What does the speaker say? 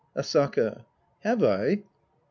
Asaka. Have I ?